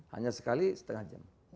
hanya sekali setengah jam